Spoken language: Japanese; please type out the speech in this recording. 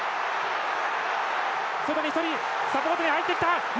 外に１人サポートに入ってきた。